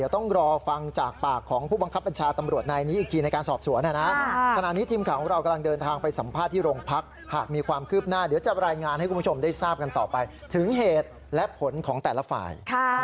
ต้องรอฟังจากปากของผู้บังคับบัญชาตำรวจนายนี้อีกทีในการสอบสวนขณะนี้ทีมข่าวของเรากำลังเดินทางไปสัมภาษณ์ที่โรงพักหากมีความคืบหน้าเดี๋ยวจะรายงานให้คุณผู้ชมได้ทราบกันต่อไปถึงเหตุและผลของแต่ละฝ่าย